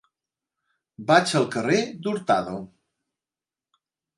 Vaig al carrer d'Hurtado.